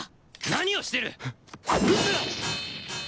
何をしている！